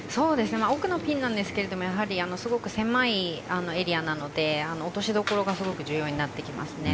奥のピンなんですがすごく狭いエリアなので落としどころが重要になってきますね。